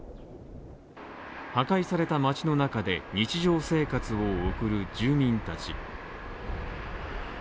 破壊された街の中で日常生活を送る住民たち。